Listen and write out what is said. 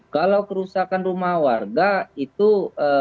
kalau kerusakan rumah warga itu perusahaan sendiri ruk